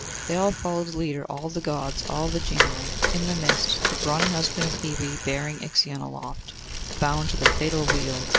They all followed the leader, all the Gods, all the genii; in the midst, the brawny husband of Hebe bearing Ixion aloft, bound to the fatal wheel.